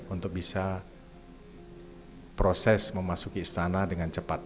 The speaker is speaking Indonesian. untuk bisa proses memasuki istana dengan cepat